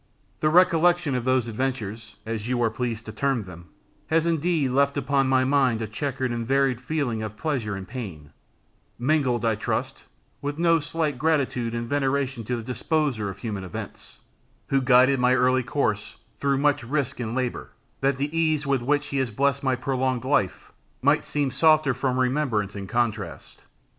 The recollection of those adventures, as you are pleased to term them, has indeed left upon my mind a chequered and varied feeling of pleasure and of pain, mingled, I trust, with no slight gratitude and veneration to the Disposer of human events, who guided my early course through much risk and labour, that the ease with which he has blessed my prolonged life might seem softer from remembrance and contrast.